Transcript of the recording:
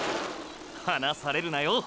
離されるなよ